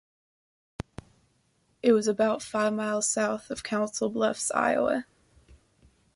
It was about five miles south of Council Bluffs, Iowa.